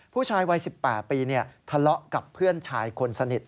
ผู้ชายวัย๑๘ปีทะเลาะกับเพื่อนชายคนสนิท